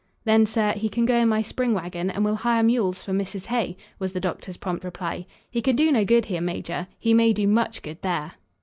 "Then, sir, he can go in my spring wagon and we'll hire mules from Mrs. Hay," was the doctor's prompt reply. "He can do no good here, major. He may do much good there."